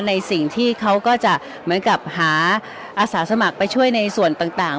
ในสิ่งที่เขาก็จะเหมือนกับหาอาสาสมัครไปช่วยในส่วนต่าง